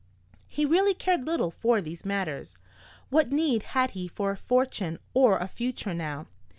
He really cared little for these matters. What need had he for a fortune or a future now?